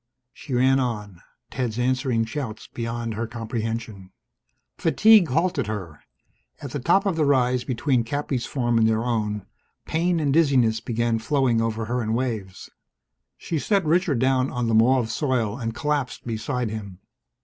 She ran on, Ted's answering shouts beyond her comprehension. Fatigue halted her. At the top of the rise between Cappy's farm and their own, pain and dizziness began flowing over her in waves. She set Richard down on the mauve soil and collapsed beside him.